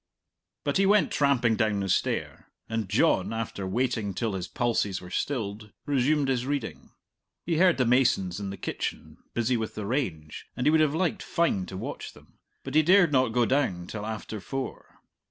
But he went tramping down the stair, and John, after waiting till his pulses were stilled, resumed his reading. He heard the masons in the kitchen, busy with the range, and he would have liked fine to watch them, but he dared not go down till after four.